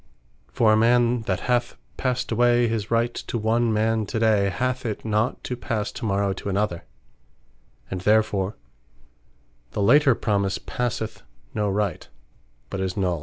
For a man that hath passed away his Right to one man to day, hath it not to passe to morrow to another: and therefore the later promise passeth no Right, but is null.